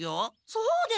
そうです！